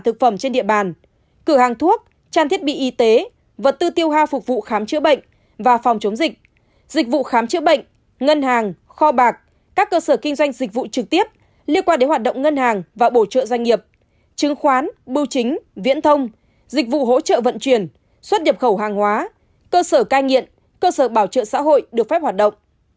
trên địa bàn cửa hàng thuốc trang thiết bị y tế vật tư tiêu hoa phục vụ khám chữa bệnh và phòng chống dịch dịch vụ khám chữa bệnh ngân hàng kho bạc các cơ sở kinh doanh dịch vụ trực tiếp liên quan đến hoạt động ngân hàng và bổ trợ doanh nghiệp chứng khoán bưu chính viễn thông dịch vụ hỗ trợ vận chuyển xuất nhập khẩu hàng hóa cơ sở cai nghiện cơ sở bảo trợ xã hội được phép hoạt động